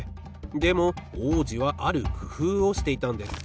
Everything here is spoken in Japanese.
でも王子はあるくふうをしていたんです。